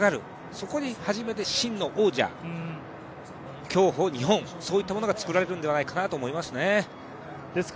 そこに初めて真の王者競歩・日本そういったものが作られるんじゃないかと思いますね。